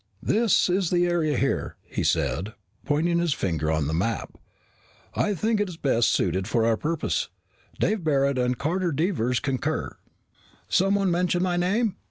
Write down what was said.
"This is the area here," he said, placing his finger on the map. "I think it is best suited for our purpose. Dave Barret and Carter Devers concur " "Someone mention my name?"